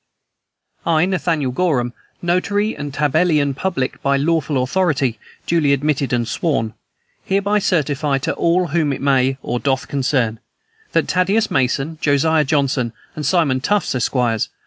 "I, Nathaniel Gorham, notary and tabellion public, by lawful authority duly admitted and sworn, hereby certify to all whom it may or doth concern, that Thaddeus Masson, Josiah Johnson, and Simon Tufts, Esqrs.